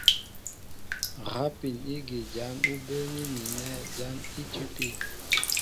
Rápin ígí jǎn ú bə́ə́ní mi nɛ̂ jǎn í tʉ́pí.